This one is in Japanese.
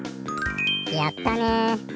やったね。